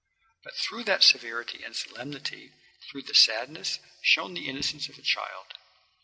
But through that severity and solemnity, through the sadness, shone the innocence of a child.